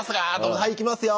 はいいきますよ。